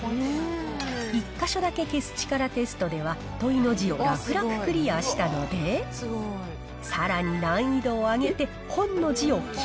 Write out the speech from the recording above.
１か所だけ消す力テストでは、問の字を楽々クリアしたので、さらに難易度を上げて、本の字を木